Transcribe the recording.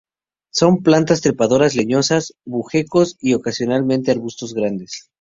Son plantas trepadoras leñosas, bejucos y ocasionalmente arbustos grandes.